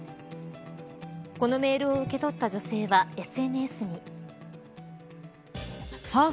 このメールを受け取った女性はＳＮＳに。